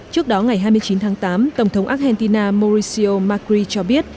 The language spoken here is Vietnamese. trước đó ngày hai mươi chín tháng tám tổng thống argentina mauricio macri cho biết